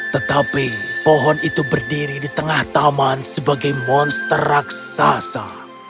tetapi pohon itu berdiri di tengah taman sebagai monster raksasa